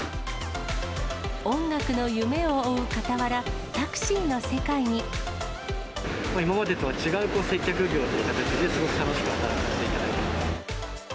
音楽の夢を追うかたわら、今までとは違う接客業という形で、すごく楽しく働かせていただいています。